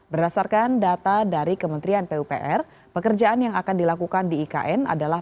berdasarkan data dari kementerian pupr pekerjaan yang akan dilakukan di ikn adalah